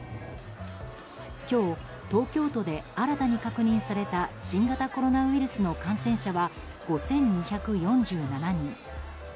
今日、東京都で新たに確認された新型コロナウイルスの感染者は５２４７人。